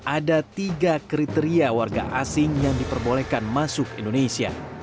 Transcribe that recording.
ada tiga kriteria warga asing yang diperbolehkan masuk indonesia